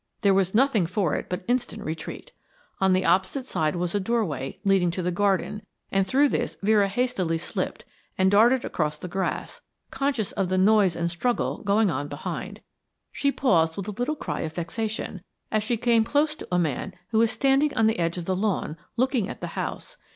There was nothing for it but instant retreat. On the opposite side was a doorway leading to the garden, and through this Vera hastily slipped and darted across the grass, conscious of the noise and struggle going on behind. She paused with a little cry of vexation as she came close to a man who was standing on the edge of the lawn looking at the house.